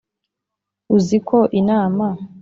Uziko inama